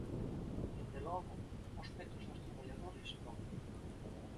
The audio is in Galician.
Dende logo, aos petos dos traballadores non.